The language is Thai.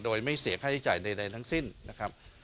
โดยไม่เสียค่าใช้จ่ายใดทั้งสิ้นนะครับ